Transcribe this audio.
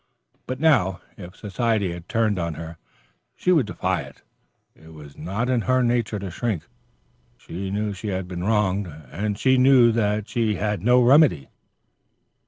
But now, if society had turned on her, she would defy it. It was not in her nature to shrink. She knew she had been wronged, and she knew that she had no remedy.